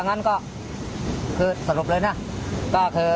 เอามายิ้มมาได้ยังไง